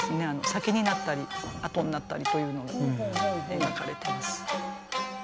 先になったり後になったりというのが描かれています。